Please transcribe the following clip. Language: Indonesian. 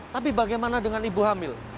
tapi bagaimana dengan ibu hamil